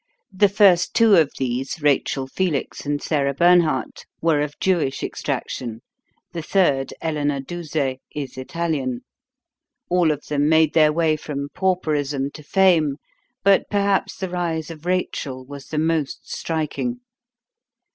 The first two of these Rachel Felix and Sarah Bernhardt were of Jewish extraction; the third, Eleanor Duse, is Italian. All of them made their way from pauperism to fame; but perhaps the rise of Rachel was the most striking.